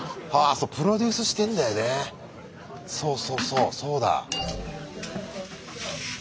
そうそうそうそうだ。